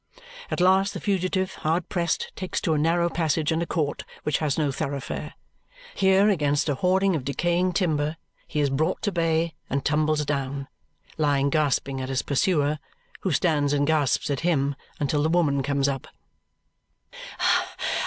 At last the fugitive, hard pressed, takes to a narrow passage and a court which has no thoroughfare. Here, against a hoarding of decaying timber, he is brought to bay and tumbles down, lying gasping at his pursuer, who stands and gasps at him until the woman comes up.